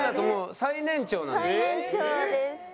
最年長です。